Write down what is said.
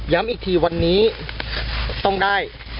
อีกทีวันนี้ต้องได้